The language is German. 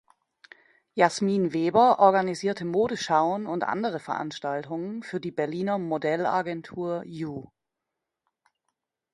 Jasmin Weber organisierte Modeschauen und andere Veranstaltungen für die Berliner Modelagentur "You.